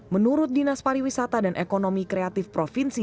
menurut dinas pariwisata dan ekonomi kreatif provinsi